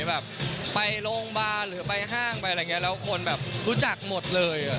แบบไปโรงพยาบาลหรือไปห้างไปอะไรอย่างนี้แล้วคนแบบรู้จักหมดเลย